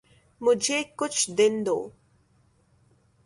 مجھے کچھ دن دو۔